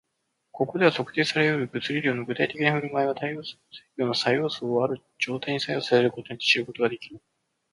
ここでは、測定され得る物理量の具体的な振る舞いは、対応する物理量の作用素をある状態に作用させることによって知ることができる